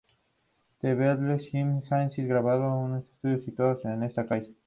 The Beatles y Jimi Hendrix grabaron en estudios situados en esta calle.